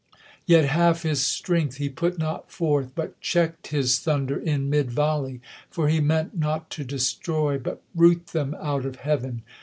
\'et half his strength he put not forth, but check'd His thunder in mid volley ; for he meant Not to destroy, but root them out of Heav'n.